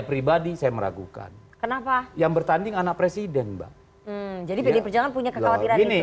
pribadi saya meragukan kenapa yang bertanding anak presiden mbak jadi pdi perjuangan punya kekhawatiran ini